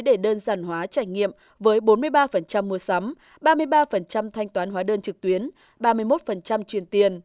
để đơn giản hóa trải nghiệm với bốn mươi ba mua sắm ba mươi ba thanh toán hóa đơn trực tuyến ba mươi một truyền tiền